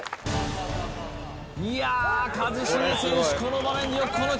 いや一茂選手